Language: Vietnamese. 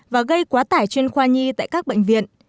và gây quá tải chuyên khoa nhi tại các bệnh viện